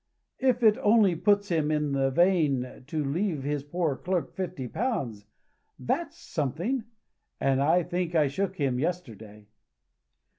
If it only puts him in the vein to leave his poor clerk fifty pounds, that's something; and I think I shook him yesterday."